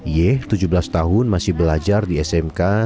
ye tujuh belas tahun masih belajar di smk